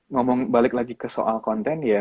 ngomong balik lagi ke soal konten ya